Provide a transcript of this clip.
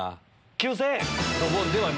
９０００円！